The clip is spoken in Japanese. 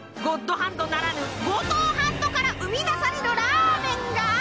ゴッドハンドならぬゴトウハンドから生み出されるラーメンが。